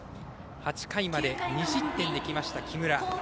８回まで２失点できました木村。